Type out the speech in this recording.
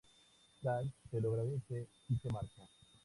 Kay se lo agradece y se marcha.